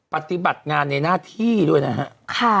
ปฏิบัติงานในหน้าที่ด้วยนะฮะ